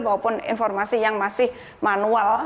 maupun informasi yang masih manual